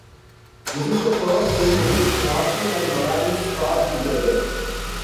This is the third film in which Martin and Moranis starred together.